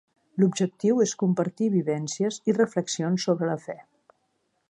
L'objectiu és compartir vivències i reflexions sobre la fe.